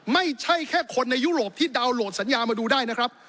ไม่ใช่แค่คนในยุโรปที่ดาวนโหลดสัญญามาดูได้นะครับ